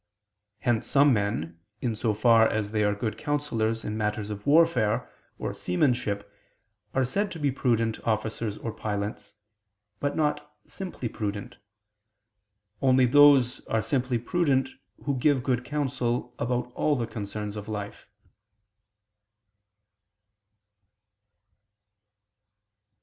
Hence some men, in so far as they are good counselors in matters of warfare, or seamanship, are said to be prudent officers or pilots, but not simply prudent: only those are simply prudent who give good counsel about all the concerns of life.